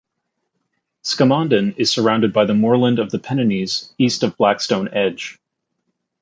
Scammonden is surrounded by the moorland of the Pennines east of Blackstone Edge.